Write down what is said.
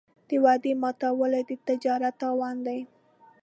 د وعدې ماتول د تجارت تاوان دی.